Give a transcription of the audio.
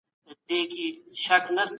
کله چی عاید کم سي د ژوند کچه ټیټیږي.